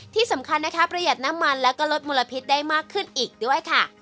ที่สำคัญนะคะประหยัดน้ำมันแล้วก็ลดมลพิษได้มากขึ้นอีกด้วยค่ะ